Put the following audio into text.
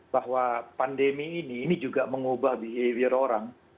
bahwa pandemi ini ini juga mengubah behavior orang